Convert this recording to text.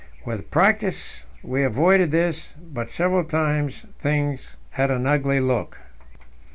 With practice we avoided this, but several times things had an ugly look.